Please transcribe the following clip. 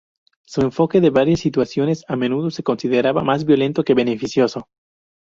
Su enfoque de varias situaciones a menudo se consideraba más violento que beneficioso.